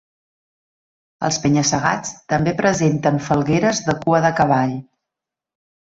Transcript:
Els penya-segats també presenten falgueres de cua de cavall.